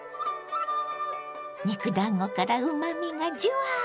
肉だんごからうまみがジュワー！